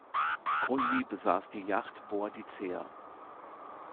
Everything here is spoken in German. Grundy besaß die Yacht "Boadicea".